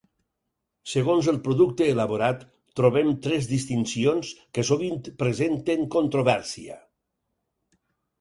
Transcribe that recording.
Segons el producte elaborat trobem tres distincions que sovint presenten controvèrsia.